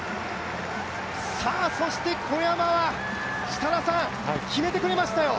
そして小山は設楽さん、決めてくれましたよ。